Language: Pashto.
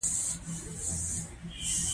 مېز له هنري نقشو سره ښکليږي.